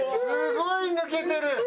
すごい抜けてる！